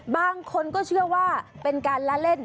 บางคนก็เชื่อว่าเป็นการละเล่น